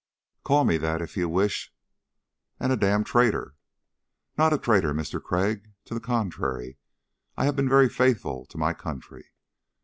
"Call me that, if you wish." "And a damned traitor!" "Not a traitor, Mister Crag. To the contrary, I have been very faithful to my country."